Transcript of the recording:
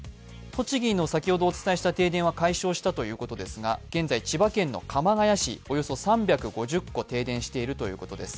栃木の先ほどお伝えした停電は解消したということですが現在、千葉県の鎌ケ谷市、およそ３５０戸停電しているということです。